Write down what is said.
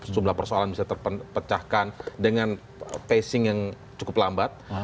sebuah persoalan bisa terpecahkan dengan pacing yang cukup lambat